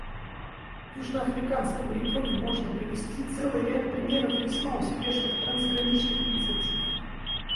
В южноафриканском регионе можно привести целый ряд примеров весьма успешных трансграничных инициатив.